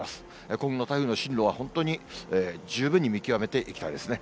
今後の台風の進路は本当に十分に見極めていきたいですね。